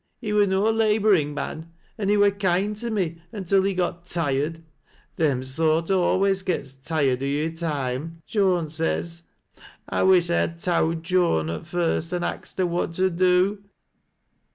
He were no laboring man, an he vrur kind to me, until he got tired. Thein sort alius gets tired o' yo' i' time, Joan says. I wish I'd ha' towd Joan at first, an' axed her what to do."